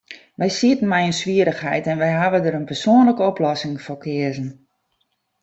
Wy sieten mei in swierrichheid, en wy hawwe dêr in persoanlike oplossing foar keazen.